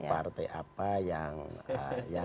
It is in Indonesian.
partai apa yang menyerang